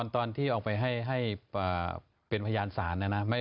ตอนที่ออกไปให้เป็นพยานสาร